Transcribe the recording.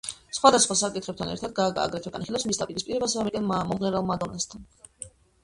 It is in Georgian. სხვადასხვა საკითხებთან ერთად გაგა აგრეთვე განიხილავს მის დაპირისპირებას ამერიკელ მომღერალ მადონასთან.